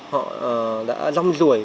họ đã long ruổi